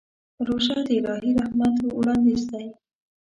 روژه د الهي رحمت وړاندیز دی.